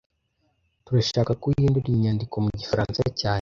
Turashaka ko uhindura iyi nyandiko mu gifaransa cyane